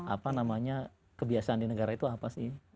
apa namanya kebiasaan di negara itu apa sih